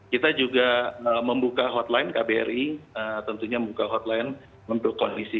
kita juga membuka hotline kbri tentunya membuka hotline untuk kondisi